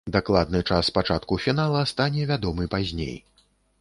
Дакладны час пачатку фінала стане вядомы пазней.